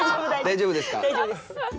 大丈夫です。